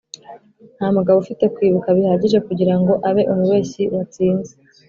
“nta mugabo ufite kwibuka bihagije kugira ngo abe umubeshyi watsinze”